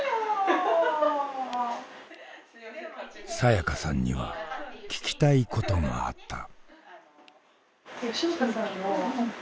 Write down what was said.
さやかさんには聞きたいことがあった。